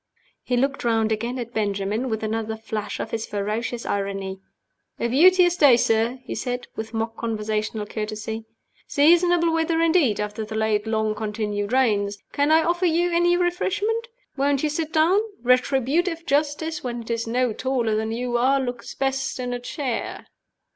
He looked round again at Benjamin, with another flash of his ferocious irony. "A beauteous day, sir," he said, with mock conventional courtesy. "Seasonable weather indeed after the late long continued rains. Can I offer you any refreshment? Won't you sit down? Retributive Justice, when it is no taller than you are, looks best in a chair."